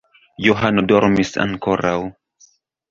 Johano dormis ankoraŭ.